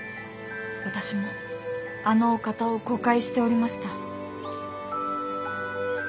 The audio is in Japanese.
私もあのお方を誤解しておりました。